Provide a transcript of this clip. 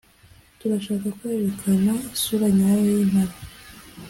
Turashaka kwerekana isura nyayo y’Impala